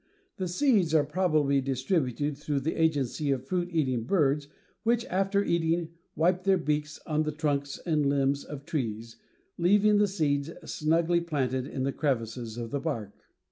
The seeds are probably distributed through the agency of fruit eating birds which, after eating, wipe their beaks on the trunks and limbs of trees, leaving the seeds snugly planted in the crevices of the bark.